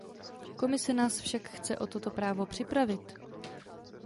Komise nás však chce o toto právo připravit.